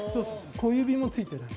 小指もついてない。